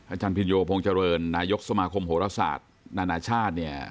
อาจารย์พินโยพงษ์เจริญนายกสมาคมโหรศาสตร์นานาชาติเนี่ย